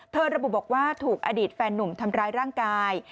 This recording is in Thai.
ระบุบอกว่าถูกอดีตแฟนหนุ่มทำร้ายร่างกาย